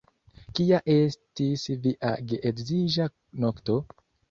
Kia estis via geedziĝa nokto?